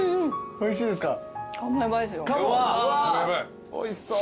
おいしそう。